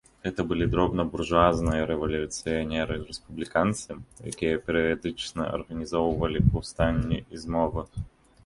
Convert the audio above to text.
Гэта былі дробнабуржуазныя рэвалюцыянеры-рэспубліканцы, якія перыядычна арганізоўвалі паўстанні і змовы.